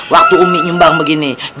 waktu umi nyumbang begini